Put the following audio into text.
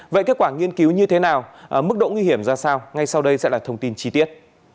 vậy kết quả nghiên cứu như thế nào mức độ nguy hiểm ra sao ngay sau đây sẽ là thông tin chi tiết